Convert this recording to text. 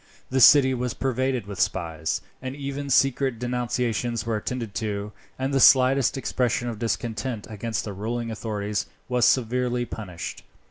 The city was pervaded with spies, and even secret denunciations were attended to, and the slightest expression of discontent against the ruling authorities was severely punished.